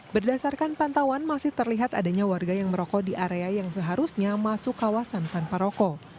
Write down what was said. berdasarkan pantauan masih terlihat adanya warga yang merokok di area yang seharusnya masuk kawasan tanpa rokok